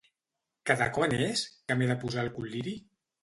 Cada quant és que m'he de posar el col·liri?